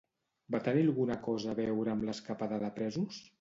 Va tenir alguna cosa a veure amb l'escapada de presos?